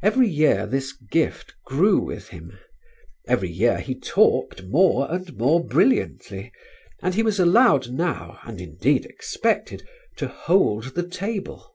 Every year this gift grew with him: every year he talked more and more brilliantly, and he was allowed now, and indeed expected, to hold the table.